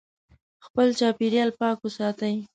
خپل چاپیریال پاک وساتئ.